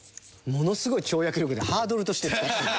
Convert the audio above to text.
ものすごい跳躍力でハードルとして使ってる。